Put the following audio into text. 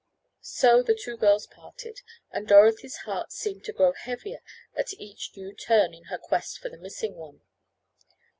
So the two girls parted, and Dorothy's heart seemed to grow heavier at each new turn in her quest for the missing one.